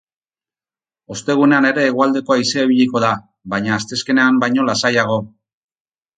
Ostegunean ere hegoaldeko haizea ibiliko da, baina asteazkenean baino lasaiago.